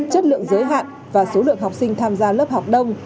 chất lượng giới hạn và số lượng học sinh tham gia lớp học đông